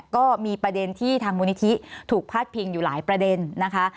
ก็มีประเด็นที่ทางมูลนิธิถูกพาดพิงอยู่หลายประเด็นนะคะ